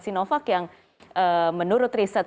sinovac yang menurut riset